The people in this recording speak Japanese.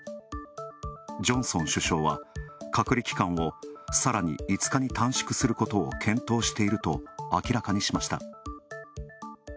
ジョンソン首相は、隔離期間をさらに５日に短縮することを検討していると明らかにしました。